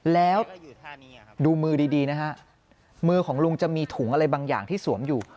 แล้วดูมือดีนะฮะมือของลุงจะมีถุงอะไรบางอย่างที่สวมอยู่